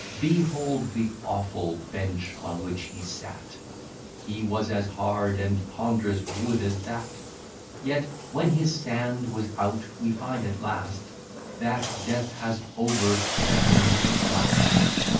Behold the awful bench, on which he sat! He was as hard and ponderous wood as that: Yet when his sand was out, we find at last, That death has overset him with a blast.